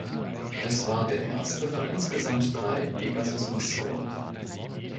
Es war der erste von insgesamt drei Pegasus-Missionen.